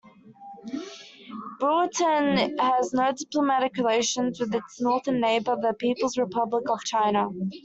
Bhutan has no diplomatic relations with its northern neighbor, the People's Republic of China.